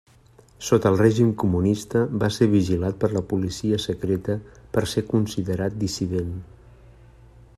Sota el règim comunista, va ser vigilat per la policia secreta per ser considerat dissident.